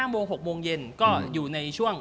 โมง๖โมงเย็นก็อยู่ในช่วง